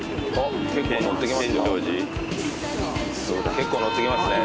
結構乗ってきますね。